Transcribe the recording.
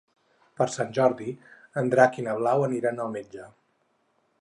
Per Sant Jordi en Drac i na Blau aniran al metge.